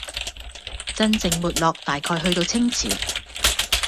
真正沒落大概去到清朝